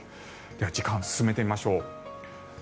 では、時間を進めてみましょう。